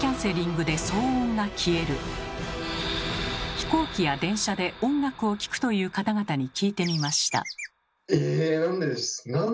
飛行機や電車で音楽を聴くという方々に聞いてみました。